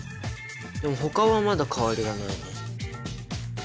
でもほかはまだ変わりがないね。